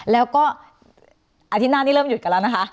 แล้วก็อาทิตย์หน้านี้เริ่มหยุดกันแล้วนะคะ